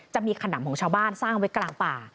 จะมีขนำของชาวบ้านสร้างไว้กลางป่า